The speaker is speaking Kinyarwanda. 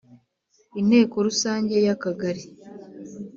Inteko rusange y Akagari